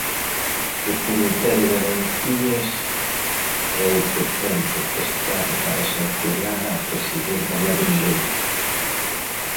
O comité de Garantías é o que ten potestade para sancionar á presidenta madrileña.